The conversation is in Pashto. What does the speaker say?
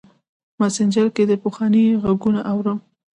مسینجر کې دې پخوا غـــــــږونه اورم